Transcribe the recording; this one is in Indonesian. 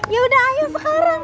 yaudah ayo sekarang